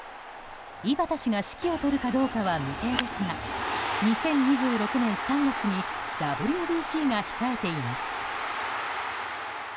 井端氏が指揮を執るかどうかは未定ですが２０２６年３月にＷＢＣが控えています。